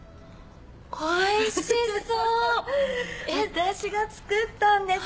私が作ったんです。